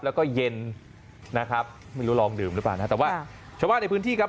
แล้วก็เย็นนะครับไม่รู้ลองดื่มหรือเปล่านะแต่ว่าชาวบ้านในพื้นที่ครับ